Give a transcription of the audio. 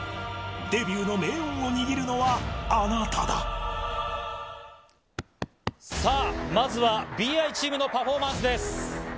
デビューの命運を握るのはあなたさあ、まずはＢｉチームのパフォーマンスです。